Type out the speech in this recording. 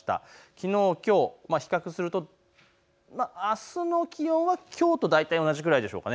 きのう、きょう比較するとあすの気温はきょうと大体同じくらいでしょうか。